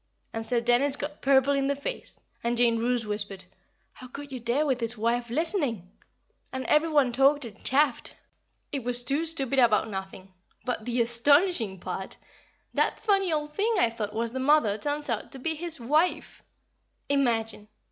and Sir Dennis got purple in the face, and Jane Roose whispered, "How could you dare with his wife listening!" and every one talked and chaffed. It was too stupid about nothing; but the astonishing part is, that funny old thing I thought was the mother turns out to be his wife! Imagine!